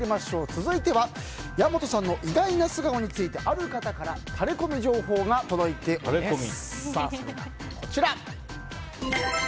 続いては岩本さんの意外な素顔についてある方からタレコミ情報が入っています。